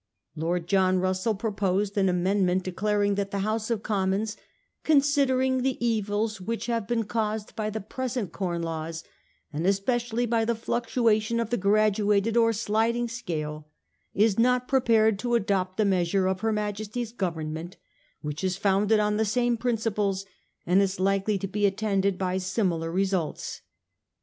Lord John Russell proposed an amendment declaring that the House of Commons, ' considering the evils which have been caused by the present Com Laws, and especially by the fluctuation of the graduated or sliding scale, is not prepared to adopt the measure of her Majesty's Government, which is founded on the same principles, and is likely to be attended by similar results.